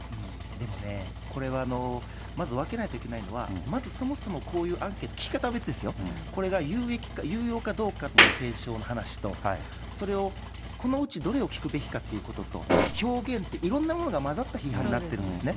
でもね、これは、まず分けないといけないのは、まずそもそもこういうアンケート、聞き方は別ですよ、これが有益かどうかっていう検証の話と、それを、このうちどれを聞くべきかということと、表現って、いろいろなものがまざった批判になっているんですね。